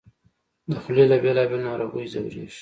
د خولې له بېلابېلو ناروغیو ځورېږي